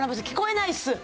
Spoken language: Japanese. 聞こえないっす。